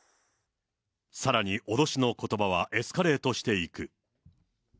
さらに脅しのことばはエスカレートしていく。